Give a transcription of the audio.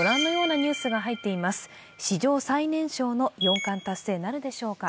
史上最年少の四冠達成なるでしょうか。